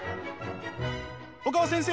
小川先生